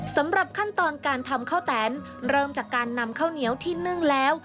สำหรับขั้นตอนการทำข้าวแตนเริ่มจากการนำข้าวเหนียวที่นึ่งแล้ว